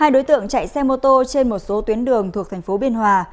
hai đối tượng chạy xe mô tô trên một số tuyến đường thuộc tp biên hòa